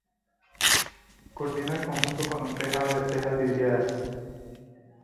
Culmina el conjunto con un tejado de tejas vidriadas.